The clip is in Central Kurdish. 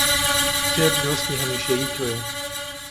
کتێب دۆستی هەمیشەیی تۆیە